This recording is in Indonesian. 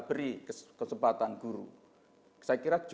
beri kesempatan guru saya kira